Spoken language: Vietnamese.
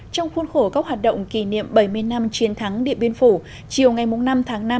trong khuôn khổ các hoạt động kỷ niệm bảy mươi năm chiến thắng điện biên phủ chiều ngày năm tháng năm